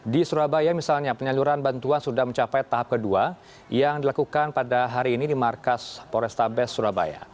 di surabaya misalnya penyaluran bantuan sudah mencapai tahap kedua yang dilakukan pada hari ini di markas polrestabes surabaya